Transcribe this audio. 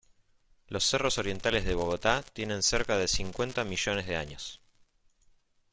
Los cerros orientales de Bogotá tienen cerca de cincuenta millones de años.